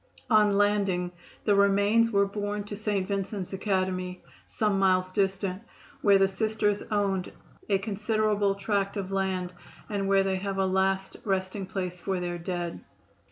On landing, the remains were borne to St. Vincent's Academy, some miles distant, where the Sisters own a considerable tract of land and where they have a last resting place for their dead.